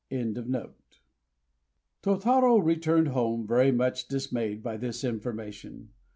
Tôtarô returned home very much dismayed by this information.